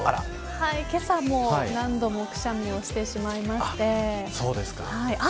けさも何度もくしゃみをしてしまいまして。